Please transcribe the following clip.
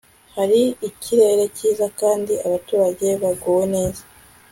hari ikirere cyiza kandi abaturage baguwe neza